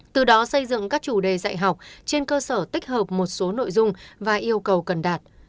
từ đó xây dựng các chủ đề dạy học trên cơ sở tích hợp một số nội dung và yêu cầu cần đạt